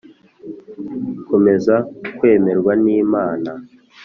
Komeza kwemerwa n imana